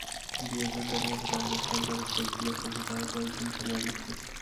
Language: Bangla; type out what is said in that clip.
বিএসএফ জানিয়েছে লাশ হস্তান্তরের প্রক্রিয়া শেষ হতে আরও কয়েক দিন সময় লাগবে।